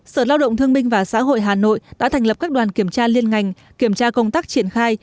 sở lao động thương minh và xã hội hà nội đã thành lập các đoàn kiểm tra liên ngành kiểm tra công tác triển khai